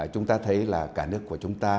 chúng ta thấy là cả nước của chúng ta